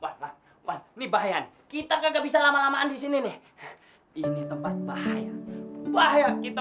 walaupun nih bayang kita gak bisa lama lamaan di sini nih ini tempat bahaya bahaya kita